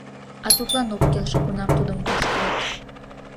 А тудлан ок келше, кунам тудым воштылыт!